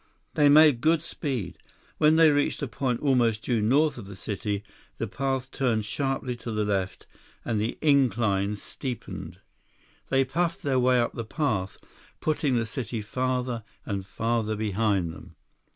They made good speed. When they reached a point almost due north of the city, the path turned sharply to the left, and the incline steepened. They puffed their way up the path, putting the city farther and farther behind them.